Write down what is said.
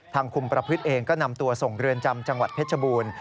คุมประพฤติเองก็นำตัวส่งเรือนจำจังหวัดเพชรบูรณ์